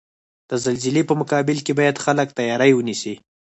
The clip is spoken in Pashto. د زلزلزلې په مقابل کې باید خلک تیاری ونیسئ.